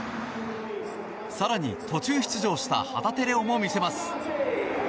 更に途中出場した旗手怜央も見せます。